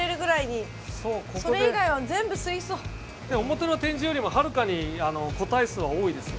表の展示よりもはるかに個体数は多いですよ。